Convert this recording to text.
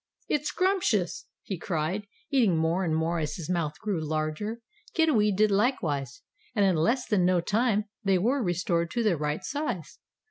"It's scrumptious!" he cried, eating more and more as his mouth grew larger. Kiddiwee did likewise, and in less than no time they were restored to their right size.